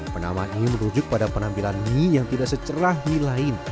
penamaan ini merujuk pada penampilan mie yang tidak secerah mie lain